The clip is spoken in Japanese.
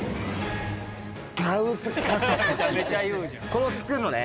これを作るのね。